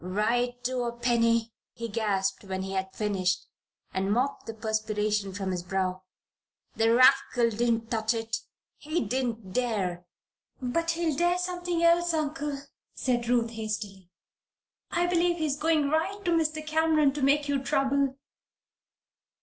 "Right to a penny!" he gasped, when he had finished, and mopped the perspiration from his brow. "The rascal didn't touch it. He didn't dare!" "But he'll dare something else, Uncle," said Ruth, hastily. "I believe he's going right to Mr. Cameron to make you trouble."